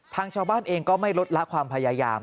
ทางชาวบ้านเองก็ไม่ลดละความพยายาม